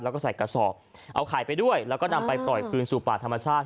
แล้วก็ใส่กระสอบเอาไข่ไปด้วยแล้วก็นำไปปล่อยคืนสู่ป่าธรรมชาติ